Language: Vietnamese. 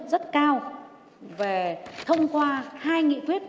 thống nhất rất cao là thông qua hai nghị quyết